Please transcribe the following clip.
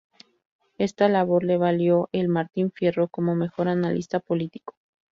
Esta labor le valió el Martín Fierro como "Mejor Analista Político".